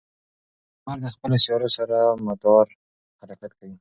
لمر د خپلو سیارو سره مدار حرکت کوي.